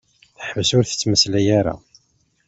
Teḥbes ur tettmeslay ara.